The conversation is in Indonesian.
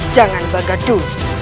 jangan baga dulu